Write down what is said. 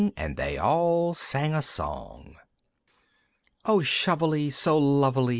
And they all sang a song! II. "O Shovely so lovely!"